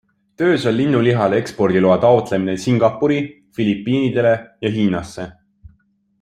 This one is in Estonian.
Töös on linnulihale ekspordiloa taotlemine Singapuri, Filipiinidele ja Hiinasse.